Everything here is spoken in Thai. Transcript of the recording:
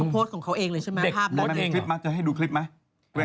โพสต์ของเขาเองเลยใช่ไหมภาพนี้แล้วมันมีคลิปมั้ยจะให้ดูคลิปมั้ย